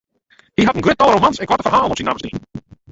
Hy hat in grut tal romans en koarte ferhalen op syn namme stean.